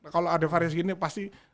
kalau ada variasi gini pasti